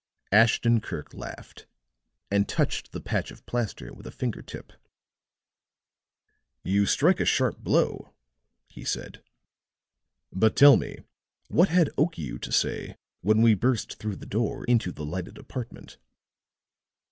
Ashton Kirk laughed and touched the patch of plaster with a finger tip. "You strike a sharp blow," he said. "But tell me, what had Okiu to say when we burst through the door into the lighted apartment?"